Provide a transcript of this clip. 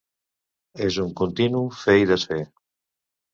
És un continu fer i desfer.